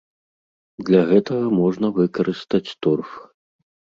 Для гэтага можна выкарыстаць торф.